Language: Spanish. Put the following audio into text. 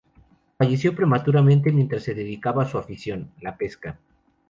Falleció prematuramente mientras se dedicaba a su afición, la pesca.